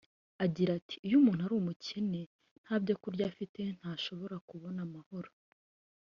Agira ati “Iyo umuntu ari umukene nta byo kurya afite ntashobora kubona amahoro